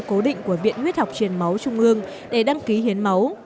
cố định của viện huyết học truyền máu trung ương để đăng ký hiến máu